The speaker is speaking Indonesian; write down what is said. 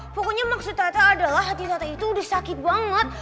pokoknya maksud rata adalah hati tata itu udah sakit banget